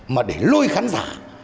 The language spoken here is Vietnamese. mà để lôi khán giả